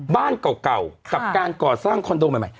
บ้านเก่ากับการก่อสร้างคอนโดใหม่